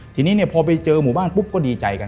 ทีนี้พอไปเจอหมู่บ้านปุ๊บก็ดีใจกัน